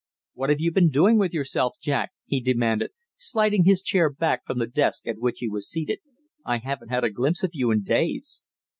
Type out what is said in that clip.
"What have you been doing with yourself, Jack?" he demanded, sliding his chair back from the desk at which he was seated. "I haven't had a glimpse of you in days."